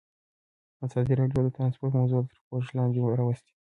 ازادي راډیو د ترانسپورټ موضوع تر پوښښ لاندې راوستې.